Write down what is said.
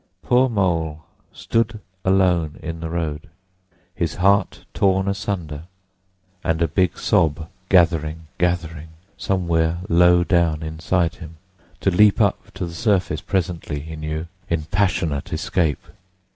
Poor Mole stood alone in the road, his heart torn asunder, and a big sob gathering, gathering, somewhere low down inside him, to leap up to the surface presently, he knew, in passionate escape.